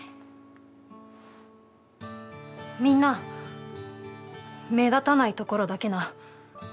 みんな目立たないところだけな。